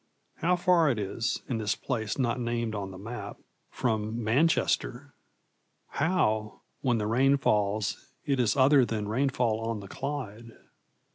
How far it is, in this place not named on the map, from Manchester! How, when the rain falls, it is other than rainfall on the Clyde!